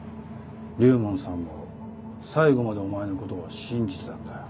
龍門さんも最後までお前のことを信じてたんだよ。